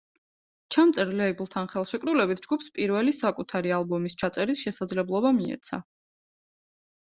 ჩამწერ ლეიბლთან ხელშეკრულებით ჯგუფს პირველი საკუთარი ალბომის ჩაწერის შესაძლებლობა მიეცა.